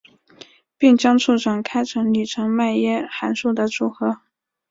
并将簇展开整理成迈耶函数的组合。